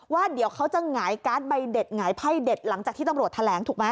ว่าเดี๋ยวเขาจะหงายการ์ดใบเด็ดหงายไพ่เด็ดหลังจากที่ตำรวจแถลงถูกไหม